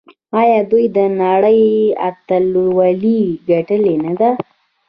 آیا دوی د نړۍ اتلولي ګټلې نه ده؟